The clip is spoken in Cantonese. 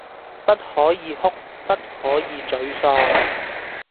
不可以哭，不可以沮喪